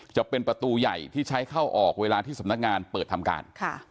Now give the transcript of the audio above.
จะเป็นประตูใหญ่ที่ใช้เข้าออกเวลาที่สำนักงานเปิดทำการ